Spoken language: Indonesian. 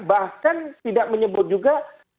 bahkan tidak menyebut juga